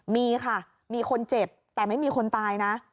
มีค่ะมีคนเจ็บแต่ไม่มีคนตายนะ